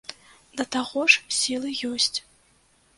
Да таго ж сілы ёсць.